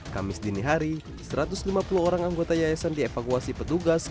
kamis dini hari satu ratus lima puluh orang anggota yayasan dievakuasi petugas